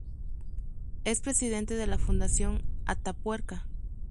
Es presidente de la Fundación Atapuerca.